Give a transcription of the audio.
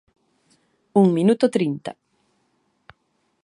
Un minuto trinta.